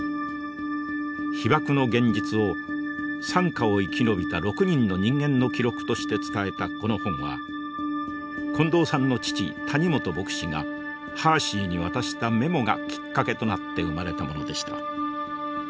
被爆の現実を惨禍を生き延びた６人の人間の記録として伝えたこの本は近藤さんの父谷本牧師がハーシーに渡したメモがきっかけとなって生まれたものでした。